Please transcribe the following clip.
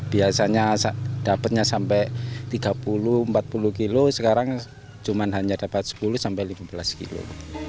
biasanya dapatnya sampai tiga puluh empat puluh kilo sekarang cuma hanya dapat sepuluh sampai lima belas kilo